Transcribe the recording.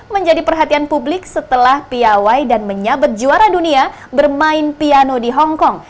menjadi perhatian publik setelah piawai dan menyabet juara dunia bermain piano di hongkong